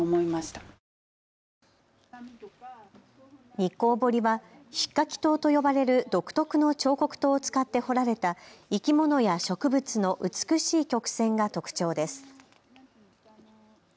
日光彫はひっかき刀と呼ばれる独特の彫刻刀を使って彫られた生き物や植物の美しい曲線が特徴です。